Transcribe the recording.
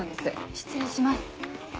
失礼します。